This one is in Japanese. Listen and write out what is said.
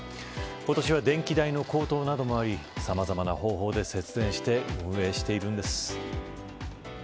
今年は電気代の高騰などもありさまざまな方法で節電して運営しているんです。